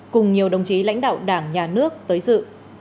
cùng nhiều đồng chí lãnh đạo đảng nhà nước tới dự